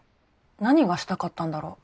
何がしたかったんだろ。